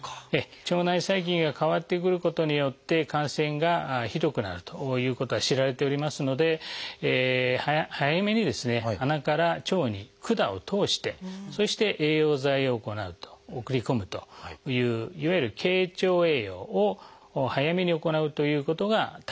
腸内細菌が変わってくることによって感染がひどくなるということは知られておりますので早めに鼻から腸に管を通してそして栄養剤を行う送り込むといういわゆる「経腸栄養」を早めに行うということが大切になります。